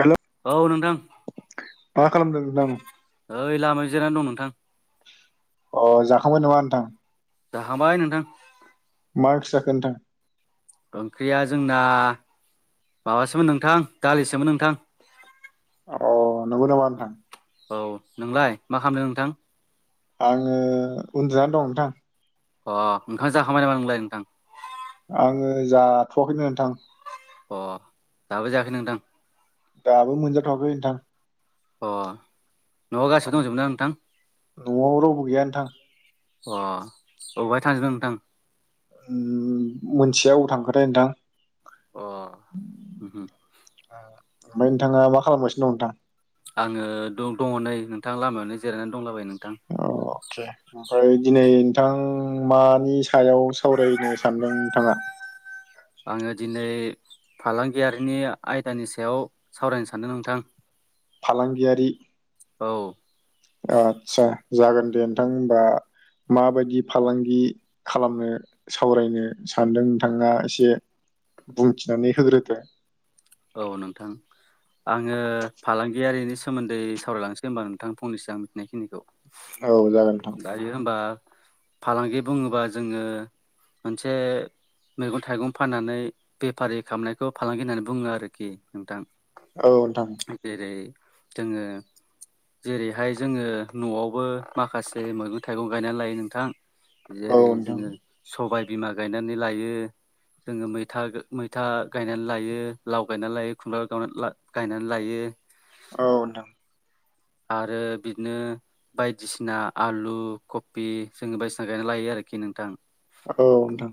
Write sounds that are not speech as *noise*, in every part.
हेल' औ नोंथां मा खालामदों नोंथां ओइ लामायाव जिरनानै दं नोंथां। अ जाखांबाय नामा नोंथां? जाखांबाय नोंथां। मा ओंख्रि जाखो नोंथां? ओंख्रिया जोंना माबासोमोन नोंथां दालिसोमोन नोंथां। अ नंगौ नामा नोंथां? औ नोंलाय मा खालामदों नोंथां? आङो उन्दुनानै दं नोंथां। अ ओंखाम जाखांबाय नामा नोंलाय नोंथां? आङो जाथ'वाखैनो नोंथां। अ दाबो जायाखै नोंथां? दाबो मोनजाथ'वाखै नोंथां। अ न'आव गासिबो दंजोबोना नोंथां? न'आव रावबो गैया नोंथां अ अबेहाय थांजोबदों नोंथां? मोनथिया अबाव थांखोथाय नोंथां। अ हम हम। ओमफाय नोंथाङा मा खालामगासिनो दं नोंथां? आङो द-दङ नै नोंथां लामायावनो जिरायनानै दंलाबायो नोंथां। अ अके ओमफ्राय दिनै नोंथां मानि सा सायाव सावरायनो सानदों नोंथाङा? आङो दिनै फालांगियारिनि आयदानि सायाव सावरायनो सानदों नोंथां। फालांगियारि? औ आदसा जागोन दे नोंथां होनबा माबायदि फालांगि खालामनो सावरायनो सानदों नोंथाङा एसे बुंथिनानै होग्रोदो। औ नोंथां। आङो फालांगियारिनि सोमोन्दै सावरायलांनोसै होमबा नोंथां फंनैसो आं मिथिनायखिनिखौ। औ जागोन नोंथां। दायो होनबा फालांगि बुङोबा जोङो मोनसे मैगं थाइगं फाननानै बेफारि खामनायखौ फालांगि होननानै बुङो आरो आरोखि नोंथां। औ नोंथां। जेरै जोङो जेरैहाय जोङो न'आवबो माखासे मैगं थाइगं गायनानै लायो नोंथां। औ नोंथां औ जेरै नोंथां जोङो सबाय बिमा गायनानै लायो जोङो मैथा मैथा गायनानै लायो। लाव गायनानै लायो खुमब्रा गावना ला गायनानै लायो। औ नोंथां। आरो बिदिनो बायदिसिना आलु कबि जोंङो बायदिसिना गायना लायो आरोखि नोंथां। औ नोंथां।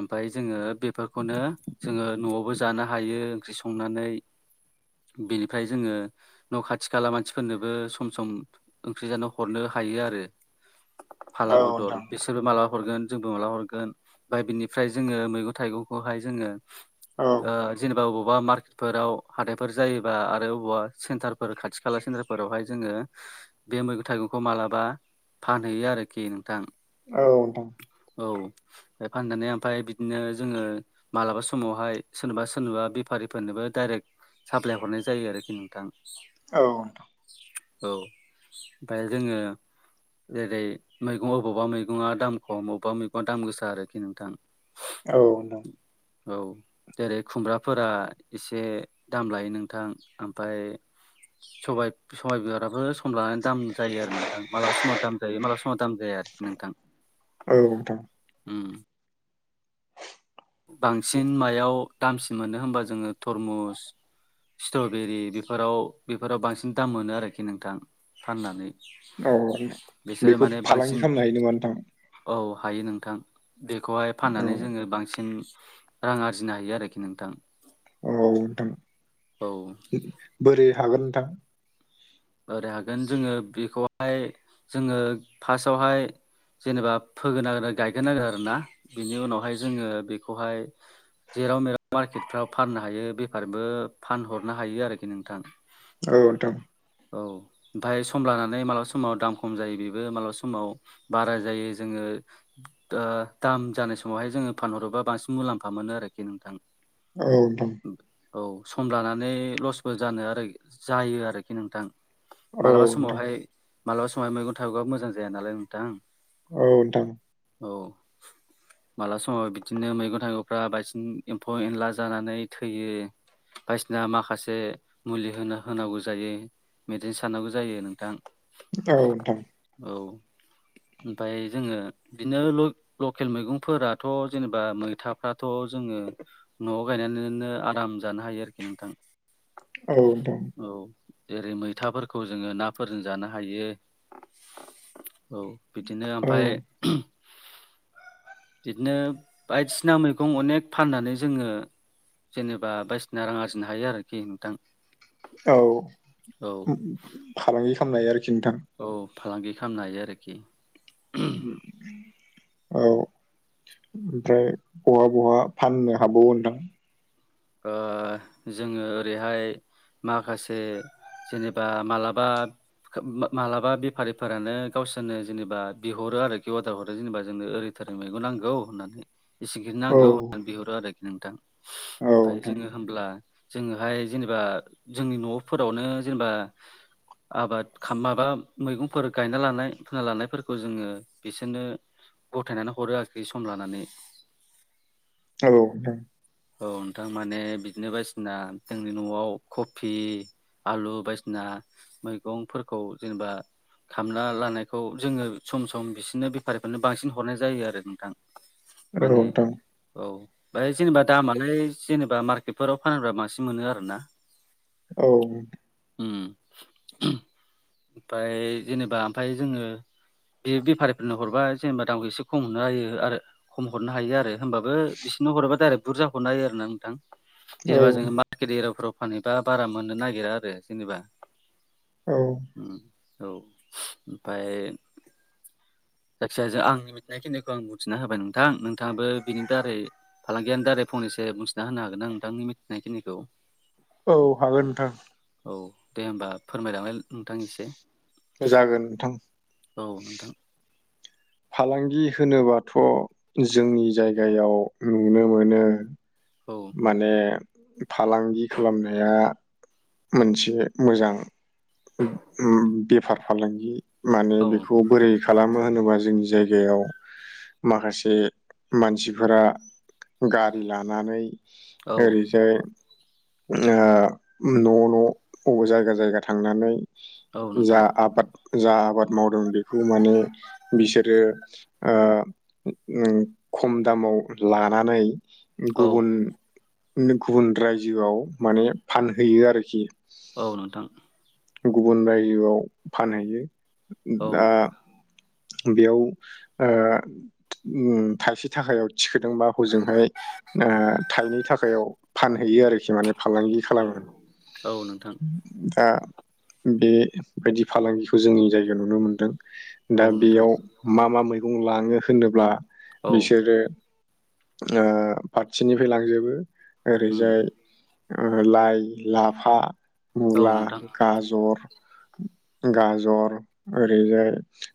ओमफाय जोङो बेफोरखौनो जोङो न'आवबो जानो हायो ओंख्रि संनानै बेनिफ्राय जोङो न' खाथि खाला मानसिफोरनोबो सम सम ओंख्रि जानो हरनो हायो आरो। फाला औ बदल नोंथां बिसोरबो माला हरगोन जोंबो मालाबा हरगोन। ओमफ्राय बिनिफ्राय जोङो मैगं-थाइगंखौहाय जोङो औ नोंथां ओ औ जेनेबा अबावबा मार्केट- फोराव हाथायफोर जायोबा आरो अबावबा सेन्टारफोर खाथि-खाला सेन्टारफोरावहाय जोङो बे मैगं-थाइगंखौ मालाबा फानहैयो आरोखि नोंथां। औ नोंथां औ बे फाननानै ओमफ्राय बिदिनो जोङो मालाबा समावहाय सोरनोबा सोरनोबा बेफारिफोरनोबो डाइरेक्ट साप्लाय हरनाय जायो आरोखि नोंथां। औ नोंथां। औ ओमफाय जोङो जेरै मैगं अबावबा मैगङा दाम खम अबेबा मैगंआ दाम गोसा आरोखि नोंथां। औ नोंथां औ जेरै खुमब्राफोरा एसे दाम लायो नोंथां ओमफ्राय सबाय- बे समाय बिबाराबो सम लानानै दाम जायो आरो नोंथां मालाबा समाव दाम जायो मालाबा समाव दाम जाया आरोखि नोंथां। औ नोंथां उम बांसिन मायाव दामसिन मोनो होनबा जोङो तरमुस स्ट्रबेरि बेफोराव बेफोराव बांसिन दाम मोनो आरोखि नोंथां फाननानै। औ बिसोरो बेखौ माने बांसिन फालांगि खालामनो हायो नङा नोंथां। औ हायो नोंथां बेखौहाय औ फाननानै जोङो बां- सिन रां आरजिनो हायो आरोखि नोंथां। औ नोंथां औ बोरै हागोन नोंथां? ओरै हागोन जोङो बेखौहाय जोङो फार्स्टआवहाय जेनेबा फोग्रोनांगोन गायग्रो नांगोन आरोना। बिनि उनावहाय जोङो बेखौहाय जेराव-मेराव मार्केटफ्राव फाननो हायो बेफारिनोबो फानहरनो हायो आरोखि नोंथां। औ नोंथां औ ओमफ्राय सम लानानै मालाबा समाव दाम खम जायो बेबो मालाबा समाव बारा जायो जोङो ओ दाम जानाय समावहाय जोङो फानहरोबा बांसिन मुलाम्फा मोनो आरोखि नोंथां। औ नोंथां औ सम लानानै लसबो जानो आरो जायो आरोखि नोंथां। औ मालाबा नोंथां समावहाय मालाबा समावहाय मैगं-थाइगंआबो मोजां जाया नालाय नोंथां। औ नोंथां औ मालाब समाव बिदिनो मैगं-थाइगंफ्रा बांसिन एम्फौ-एनला जानानै थैयो। बायदिसिना माखासे मुलि होनो होनांगौ जायो। मेदिसिनो सारनांगौ जायो नोंथां। औ नोंथां औ ओमफ्राय जोङो बिदिनो ल-लकेल मैगंफोराथ' जेनेबा मैथाफ्राथ' जोङो न'आव गायनानैनो आराम जानो हायो आरोखि नोंथां। औ नोंथां औ जेरै मै- थाफोरखौ जोङो नाफोरजों जानो हायो। औ बिदिनो ओमफ्राय बिदिनो बायदिसिना मैगं अनेख फाननानै जोङो जेनेबा बायदिसिना रां आरजिनो हायो आरोखि नोंथां। औ औ फालांगि खामनाय आरोखि नोंथां। औ फालांगि खामनो हायो आरोखि। ओम। औ ओमफ्राय बहा बहा फाननो हाबावो नोंथां? ओ जोङो ओरैहाय माखासे जेनेबा मालाबा मा-मालाबा बेफारिफोरानो गावसोरनो जेनेबा बिहरो आरोखि अर्दार हरो जेनेबा जोंनो ओरै जोंनो मैगं नांगौ होननानै इसिंखिनि औ नांगौ होननानै बिहरो आरोखि नोंथां औ ओमफ्राय नोंथां जोङो होनब्ला जोङोहाय जेनेबा जोंनि न'फोरावनो जेनेबा आबाद खा-माबा मैगंफोर गायना लानाय फोनना लानायफोरखौ जोङो बिसोरनो गथायनानै हरो आरोखि सम लानानै। औ नोंथां। औन थारमाने बिदिनो बायदिसिना जोंनि न'आव कफि आलु बायदिसिना मैगंफोरखौ जेनेबा खामना लानायखौ जोङो सम सम बिसोरनो बेफारिफोरनो बांसिन हरनाय जायो आरो नोंथां‌। औ माने नोंथां औ बेहाय जेनेबा दामालाय जेनेबा मार्केटफोराव फानोब्ला बांसिन मोनो आरोना। औ। ओम ओमफाय जेनेबा ओमफाय जोङो बे बेफारिफोरनो हरबा जेनेबा दामखौ एसे खम हमना होयो आरो खम हरनो हायो आरो होमबाबो बिसोरनो हराबा डायरेक्ट बुरजा हरनो हायो आरो ना नोंथां औ जेनेबा जोङो मा र्केट एरियाफ्राव फानहैबा बारा मोननो नागिरा आरो जेनेबा। औ। ओम औ ओमफाय जायखिजाया आंनि मिथिनाय थिनायखौ आं बुंथिना होबाय नोंथां नोंथाङाबो बिनि दारै फालांगियानि दारै फंनैसो बुंथिना होनो हागोनना नोंथांनि मिथिनायखिनिखौ। औ हागोन नोंथां। औ दे होमबा फोरमायलांलाय नोंथां एसे। जागोन नोंथां। औ नोंथां। फालांगि होनोबाथ' जोंनि जायगायाव नुनो मोनो औ माने फालांगि खालामनाया मोनसे मोजां बेफार फालांगि माने औ बेखौ बोरै खालामो होनोबा जोंनि जायगायाव माखासे मानसिफोरा गारि लानानै औ ओरैजाय ओ न' न' बबे जायगा जायगा थांनानै औ जा नोंथां आबाद जा आबाद मावदों बेखौ माने बिसोरो ओ खम दामाव लानानै औ गुबुन गुबुन रायजोआव माने फानहैयो आरोखि। औ नोंथां। गुबुन रायजोआव फानहैयो औ दा बेयाव ओ थाइसे थाखायाव थिखोदोंबा हजोंहाय ओ थाइनै थाखायायाव फानहैयो आरोखि माने फालांगि खालामो औ नोंथां दा बेबायदि फालांगिखौ जोंनि जायगायाव नुनो मोनदों दा औ नोंथां बेयाव मा मा मैगं लाङो होनोब्ला औ बिसोरो ओ फारसेनिफ्राय लांजोबो उम ओरैजाय ओ लाइ लाफा औ मुला नोंथां गाजर गाजर ओरैजाय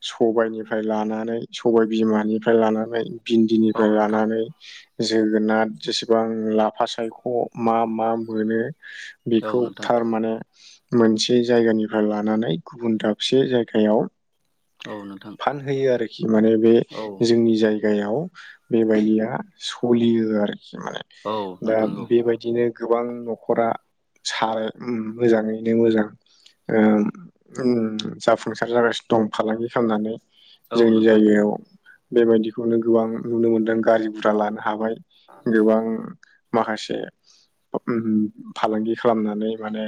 स'बायाइनिफ्राय लानानै स'बाय बिमानिफ्राय लानानै औ भिन्दिनिफ्राय नोंथां लानानै जोगोनार जेसेबां लाफा सायख' मा मा मोनो औ बेखौ नोंथां थारमाने मोनसे जायगानिफ्राय लानानै गुबुन दाबसे जायगायाव औ नोंथां। फान होयो आरोखि माने बे औ जोंनि जाय गायाव बेबायदिया स'लियो आरोखि माने औ दा नोंथां बेबाय बिदिनो गोबां न'खरा सारो उम मोजाङैनो मोजां। ओम उम जाफुंसार जागासिनो दं। फालांगि खालामनानै औ जोंनि नोंथां जायगायाव बेबायदिखौनो गोबां नुनो मोनदों गारि गुरा लानो हाबाय गोबां माखासे उम फालांगि खालामनानै माने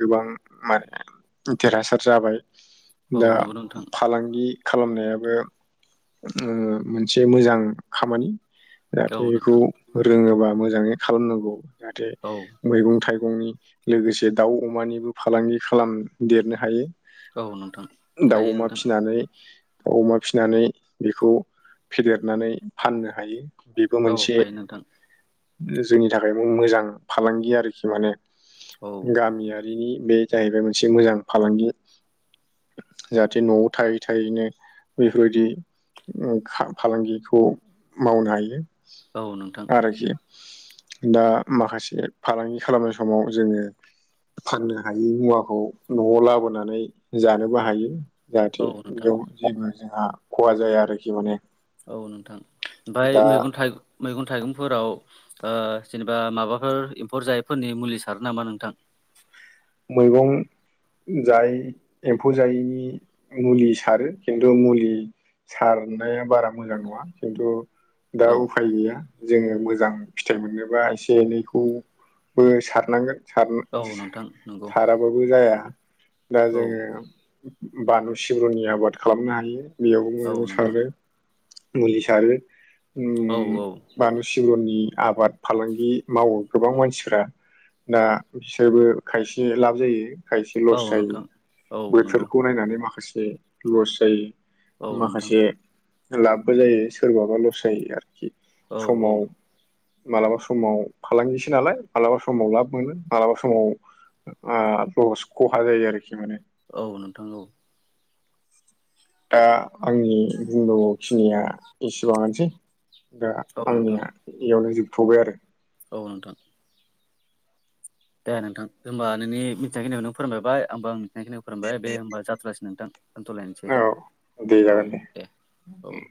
गोबां माने देरहासार जाबाय दा औ नंगौ नोंथां फालांगि खालामनायाबो उम मोनसे मोजां खामानि। औ जाहाथे एखौ नोंथां रोङोबा मोजाङै खालामनांगौ जाहाथे औ मैगं थाइगंनि लोगोसे दाउ अमानिबो फालांगि खालाम देरनो हायो औ नोंथां हायो नोंथां नानै अमा फिसिनानै बेखौ फेदेरनानै फाननो हायो बेबो औ मोनसे हायो नोंथां जोंनि थाखायबो मोजां फालांगि आरोखि माने औ गामिया बिनि बे जाहैबाय मोनसे मोजां फालांगि जाहाथे न'आव थायै थायैनो बेफोरबायदि फालांगिखौ मावनो हायो औ नोंथां आरोखि दा माखासे फालांगि खालामनाय समाव जोङो फाननो हायि मुवाखौ न'आव लाबोनानै जानोबो हायो। औ जाहाथे नोंथां बेयाव जेबो जोंहा खहा जाया आरोखि माने औ नोंथां ओमफाय दा मैगं थाइगं मैगं थाइगंफोराव ओ जेनेबा माबाफोर एम्फौ जायैफोरनि मुलि सारो नामा नोंथां? मैगं जाय एम्फौ जायैनि मुलि सारो खिन्थु मुलि सारनाया बारा मोजां नङा खिन्थु दा औ उफाय गैया। जोङो मोजां फिथाइ मोननोबा एसे एनैखौबो सारनांगोन। औ नोंथां नों साराब्लाबो जाया दा औ जोङो बानलु सिब्रनि आबाद खालामनो हायो बेयावबो औ मोज *unintelligible* नोंथां सारो। मुलि सारो औ उम औ बानलु सिब्रनि आबाद फालांगि मावो गोबां मानसिफ्रा दा बिसोरबो खायसे एसे लाब जायो खायसे औ ल'स जायो नोंथां औ नंगौ बोथोरखौ नायनानै माखासे लस जायो औ नोंथां माखासे लाबबो जायो सोरबाबा लस जायो आरोखि। औ समाव औ मालाबा समाव फालांगिसो नालाय मालाबा समाव लाब मोनो मालाबा समाव आ लस खहा जायो आरोखि माने। औ नोंथां औ। दा आंनि बुंनावौखिनिया एसेबाङानोसै दा औ नोंथां आंनिया इयावनो जोबथ'बाय आरो। औ नोंथां। दे नोंथां होमबा नोंनि मिथिनायखिनिखौ नों फोरमबाय आंबो आं मिथिनायखिनिखौ फोरमायबाय बे होमबा जाथ'लासै नोंथां। दोनथ'लायनोसै आरो औ दे जागोन औ- दे औ-